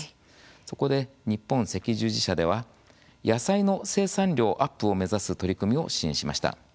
そこで、日本赤十字社では野菜の生産量アップを目指す取り組みを支援しました。